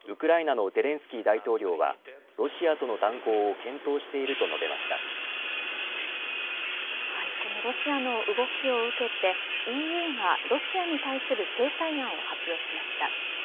一方、ウクライナのゼレンスキー大統領はロシアとの断交をこのロシアの動きを受けてＥＵがロシアに対する制裁案を発表しました。